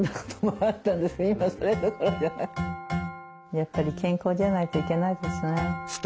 やっぱり健康じゃないといけないですね。